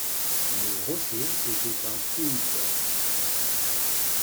Le rocher était un poulpe.